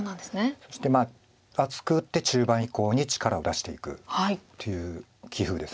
そして厚く打って中盤以降に力を出していくっていう棋風です。